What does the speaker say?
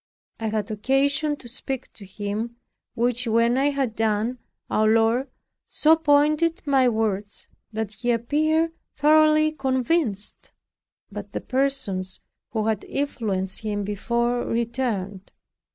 I had occasion to speak to him, which when I had done, our Lord so pointed my words that he appeared thoroughly convinced. But the persons who had influenced him before returned.